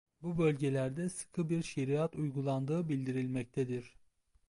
Bu bölgelerde sıkı bir şeriat uyguladığı bildirilmektedir.